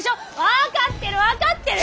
分かってる分かってる！